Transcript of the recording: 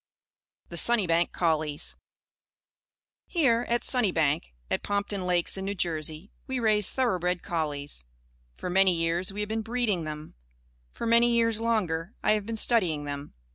THE SUNNYBANK COLLIES Here, at "Sunnybank," at Pompton Lakes, in New Jersey, we raise thoroughbred collies. For many years we have been breeding them. For many years longer, I have been studying them.